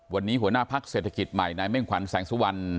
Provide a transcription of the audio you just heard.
วันนี้หัวหน้าพักเศรษฐกิจใหม่นายเม่งขวัญแสงสุวรรณ